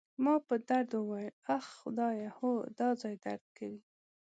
ما په درد وویل: اخ، خدایه، هو، دا ځای درد کوي.